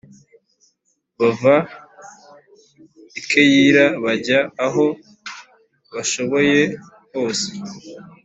bava i Keyila bajya aho bashoboye hose.